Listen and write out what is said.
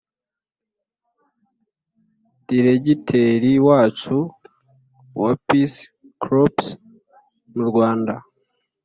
diregiteri wacu wa peace corps mu rwanda